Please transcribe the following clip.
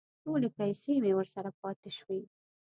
ټولې پیسې مې ورسره پاتې شوې.